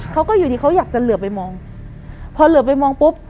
เขาก็อยู่ดีเขาอยากจะเหลือไปมองพอเหลือไปมองปุ๊บ